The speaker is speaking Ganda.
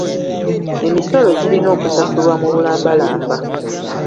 Emisolo girina okusasulwa mu bulambalamba.